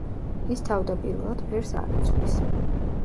ის თავდაპირველად ფერს არ იცვლის.